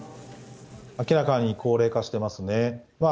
明らかに高齢化してますね。